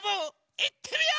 いってみよう！